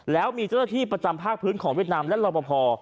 แล้วมีเจ้าหน้าที่ประจำภาคพื้นของเวียดนามและรอปภ